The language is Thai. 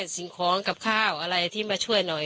สิ่งของกับข้าวอะไรที่มาช่วยหน่อย